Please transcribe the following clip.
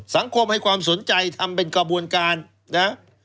สังคมให้ความสนใจทำเป็นกระบวนการนะ